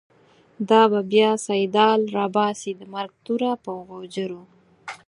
دا به بیا« سیدال» راباسی، د مرگ توره په غوجرو